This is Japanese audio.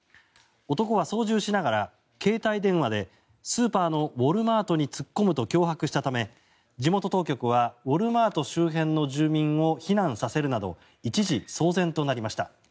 男は操縦しながら携帯電話でスーパーのウォルマートに突っ込むと脅迫したため地元当局はウォルマート周辺の住民を避難させるなど一時、騒然となりました。